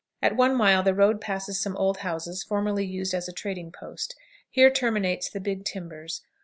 At one mile the road passes some old houses formerly used as a trading post. Here terminates the "Big Timbers."